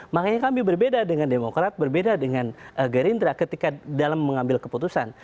makanya kami berbeda dengan demokrat berbeda dengan gerindra ketika dalam mengambil keputusan